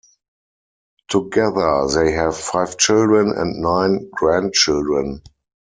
Together they have five children and nine grandchildren.